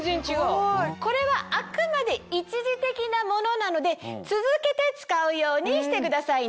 これはあくまで一時的なものなので続けて使うようにしてくださいね。